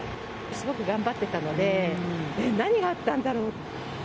すごく頑張ってたので、えっ、何があったんだろう。